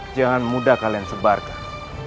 jangan mudah kalian sebarkan